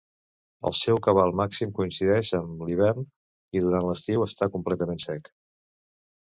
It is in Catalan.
El seu cabal màxim coincideix amb l'hivern i durant l'estiu està completament sec.